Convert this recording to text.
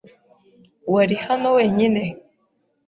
Wari hano wenyine?